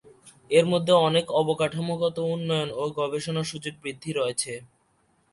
এর মধ্যে অনেক অবকাঠামোগত উন্নয়ন ও গবেষণা সুযোগ বৃদ্ধি রয়েছে।